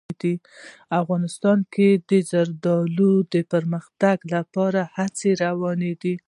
افغانستان کې د زردالو د پرمختګ لپاره هڅې روانې دي.